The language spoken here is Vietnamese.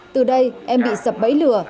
từ đây em bị sập bẫy lửa